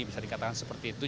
bisa dikatakan seperti itu